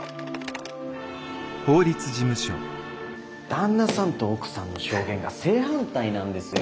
旦那さんと奥さんの証言が正反対なんですよ。